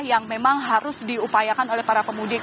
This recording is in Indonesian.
yang memang harus diupayakan oleh para pemudik